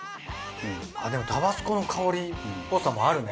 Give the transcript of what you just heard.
でもタバスコの香りっぽさもあるね。